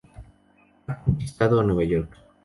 Han conquistado a Nueva York.